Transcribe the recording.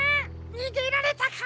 にげられたか！